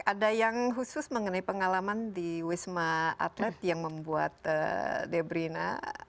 ada yang khusus mengenai pengalaman di wisma atlet yang membuat debrina